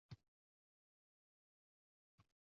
Kelursan o’zing deb bir kun insofa —